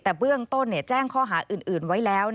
แต่เบื้องต้นแจ้งข้อหาอื่นไว้แล้ว